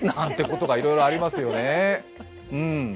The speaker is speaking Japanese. ことがいろいろありますよね。